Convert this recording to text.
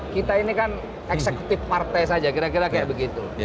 kita ini kan eksekutif partai saja kira kira kayak begitu